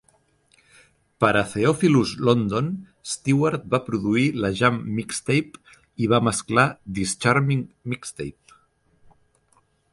Per a Theophilus London, Stewart va produir la Jam Mixtape i va mesclar This Charming Mixtape.